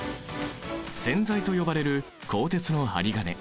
線材と呼ばれる鋼鉄の針金